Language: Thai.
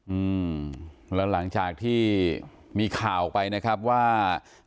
อืมแล้วหลังจากที่มีข่าวไปนะครับว่า